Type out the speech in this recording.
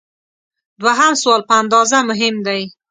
دوهم سوال په اندازه مهم دی.